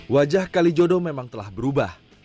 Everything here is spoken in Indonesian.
wajah kalijodo memang telah berubah